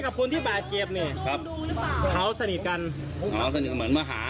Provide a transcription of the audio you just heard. เอาเป็นคนที่บาดเจ็บเนี่ย